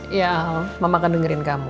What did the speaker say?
iya mama akan dengerin kamu